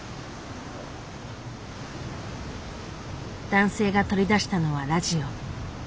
男性が取り出したのはラジオ。